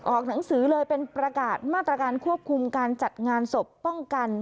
หนังสือเลยเป็นประกาศมาตรการควบคุมการจัดงานศพป้องกัน